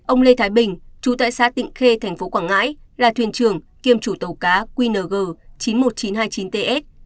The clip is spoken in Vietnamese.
ông lê thái bình chú tại xã tịnh khê tp quảng ngãi là thuyền trưởng kiêm chủ tàu cá qng chín mươi một nghìn chín trăm hai mươi chín ts